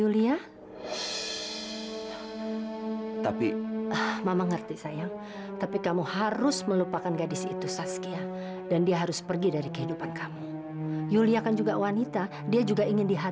sampai jumpa di video selanjutnya